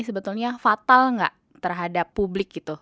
sebetulnya fatal nggak terhadap publik gitu